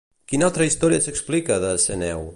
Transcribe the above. Quina altra història s'explica de Ceneu?